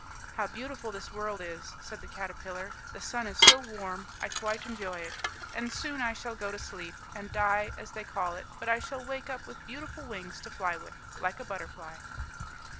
"How beautiful this world is!" said the caterpillar. "The sun is so warm, I quite enjoy it. And soon I shall go to sleep, and die as they call it, but I shall wake up with beautiful wings to fly with, like a butterfly."